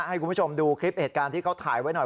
ให้คุณผู้ชมดูคลิปเหตุการณ์ที่เขาถ่ายไว้หน่อย